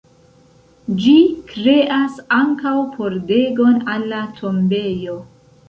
Ĝi kreas ankaŭ pordegon al la tombejo.